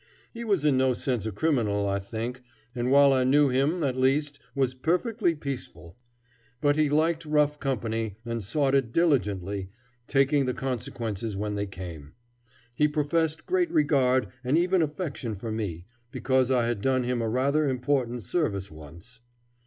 He was in no sense a criminal, I think, and while I knew him, at least, was perfectly peaceful. But he liked rough company and sought it diligently, taking the consequences when they came. He professed great regard and even affection for me, because I had done him a rather important service once.